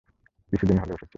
কিছুদিন হলো এসেছি।